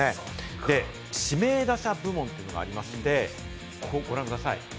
指名打者部門というのがありまして、ご覧ください。